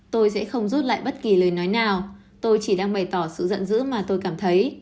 tôi sẽ không rút lại bất kỳ lời nói nào tôi chỉ đang bày tỏ sự giận dữ mà tôi cảm thấy